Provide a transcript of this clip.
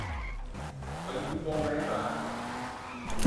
Ò intoppou mæ barba.